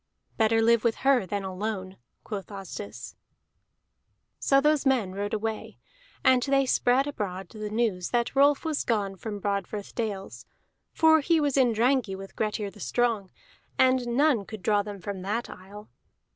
"Better live with her than alone," quoth Asdis. So those men rode away, and they spread abroad the news that Rolf was gone from Broadfirth dales, for he was in Drangey with Grettir the Strong, and none could draw them from that isle.